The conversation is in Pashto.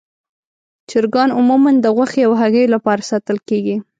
چرګان عموماً د غوښې او هګیو لپاره ساتل کېږي.